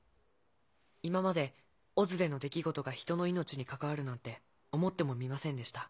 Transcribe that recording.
今までＯＺでの出来事が人の命にかかわるなんて思ってもみませんでした。